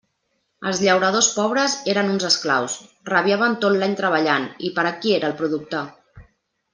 Els llauradors pobres eren uns esclaus; rabiaven tot l'any treballant, i per a qui era el producte?